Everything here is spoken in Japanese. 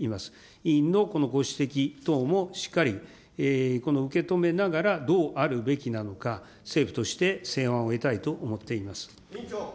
委員のこのご指摘等もしっかり受け止めながら、どうあるべきなのか、政府として成案を得たいと思っています。